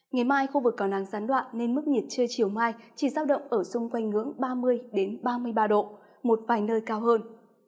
ngày mai khu vực có nắng gián đoạn nên mức nhiệt trưa chiều mai chỉ giao động ở xung quanh ngưỡng ba mươi ba mươi ba độ một vài nơi cao hơn